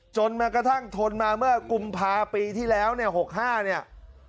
จนกระทั่งทนมาเมื่อกุมภาปีที่แล้วเนี่ย๖๕เนี่ย